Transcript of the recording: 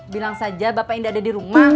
bilang saja bapak udah ibu ada di rumah